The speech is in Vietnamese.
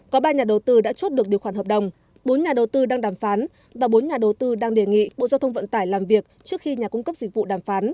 có ba nhà đầu tư đã chốt được điều khoản hợp đồng bốn nhà đầu tư đang đàm phán và bốn nhà đầu tư đang đề nghị bộ giao thông vận tải làm việc trước khi nhà cung cấp dịch vụ đàm phán